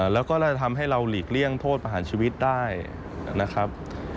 แล้วก็จะทำให้เราหลีกเลี่ยงโทษประหารชีวิตได้นะครับ